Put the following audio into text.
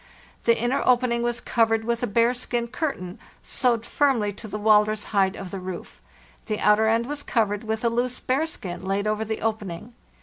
The inner opening was covered with a bearskin curtain, sewed firmly to the walrus hide of the roof; the outer end was covered with a loose bearskin laid over the opening.